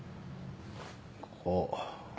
ここ。